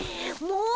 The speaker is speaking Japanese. もう！